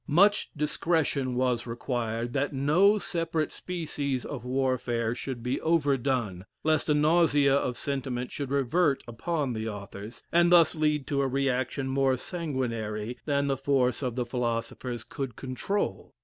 Much discretion was required, that no separate species of warfare should be overdone, lest a nausea of sentiment should revert upon the authors, and thus lead to a reaction more sanguinary than the force of the philosophers could control.